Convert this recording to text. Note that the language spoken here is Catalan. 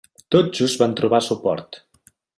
Tot just van trobar suport.